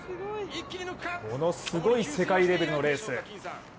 ものすごい世界レベルのレース。